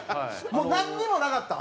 もうなんにもなかった？